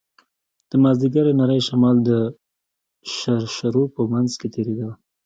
د مازديګر نرى شمال د شرشرو په منځ کښې تېرېده.